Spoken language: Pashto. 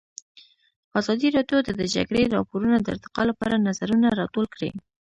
ازادي راډیو د د جګړې راپورونه د ارتقا لپاره نظرونه راټول کړي.